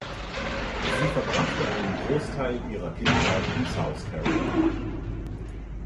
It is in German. Sie verbrachte einen Großteil ihrer Kindheit in South Carolina.